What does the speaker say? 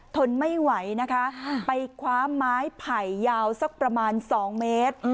ทนไม่ไหวนะคะไปคว้าไม้ไผ่ยาวสักประมาณ๒เมตร